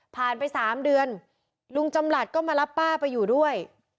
ไป๓เดือนลุงจำหลัดก็มารับป้าไปอยู่ด้วย